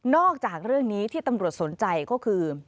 จากเรื่องนี้ที่ตำรวจสนใจก็คือ